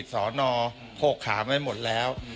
ศนโภคคามให้หมดแล้ว